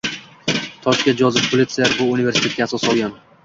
toshga Jozef Pulitser – bu universitetga asos solgan